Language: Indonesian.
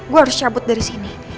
gue harus cabut dari sini